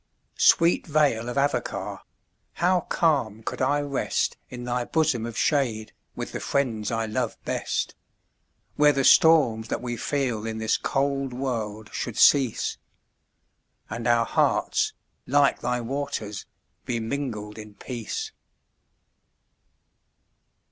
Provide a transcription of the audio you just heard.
Sweet vale of Avoca! how calm could I rest In thy bosom of shade, with the friends I love best, Where the storms that we feel in this cold world should cease, And our hearts, like thy waters, be mingled in peace.